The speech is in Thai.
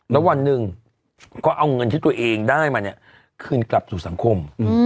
แล้ววันหนึ่งก็เอาเงินที่ตัวเองได้มาเนี่ยคืนกลับสู่สังคม